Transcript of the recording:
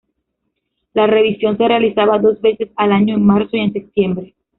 La revisión se realizaba dos veces al año en marzo y en septiembre.